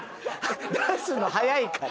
出すの早いから。